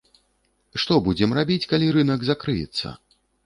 Што будзем рабіць, калі рынак закрыецца?